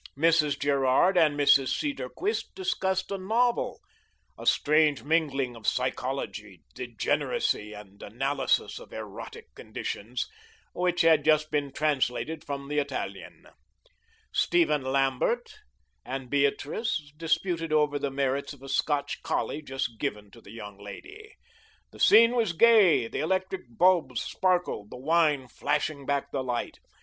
Mrs. Gerard and Mrs. Cedarquist discussed a novel a strange mingling of psychology, degeneracy, and analysis of erotic conditions which had just been translated from the Italian. Stephen Lambert and Beatrice disputed over the merits of a Scotch collie just given to the young lady. The scene was gay, the electric bulbs sparkled, the wine flashing back the light.